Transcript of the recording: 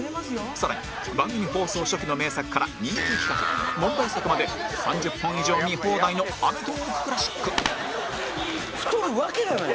さらに番組放送初期の名作から人気企画問題作まで３０本以上見放題の「アメトーーク ＣＬＡＳＳＩＣ」太るわけがない。